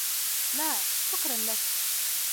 لا ، شكراً لك.